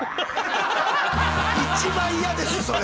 一番嫌ですそれ！